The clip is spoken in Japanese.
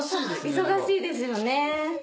忙しいですよね。